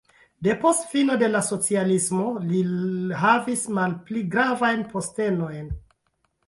Depost fino de la socialismo li havis malpli gravajn postenojn.